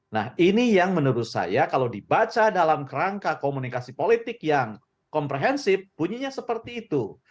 nah ini yang menurut saya kalau dibaca dalam kerangka komunikasi politik yang komprehensif bunyinya seperti itu